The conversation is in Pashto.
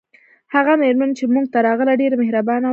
هغه میرمن چې موږ ته راغله ډیره مهربانه وه